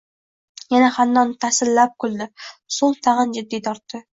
Yana xandon taslilab kuldi, so‘ng tag‘in jiddiy tortdi: